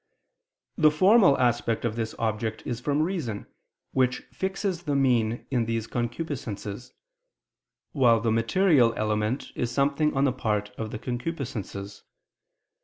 The formal aspect of this object is from reason which fixes the mean in these concupiscences: while the material element is something on the part of the concupiscences.